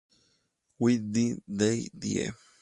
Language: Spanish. Why did they die?